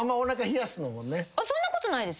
そんなことないですよ。